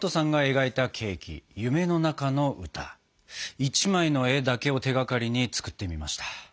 １枚の絵だけを手がかりに作ってみました。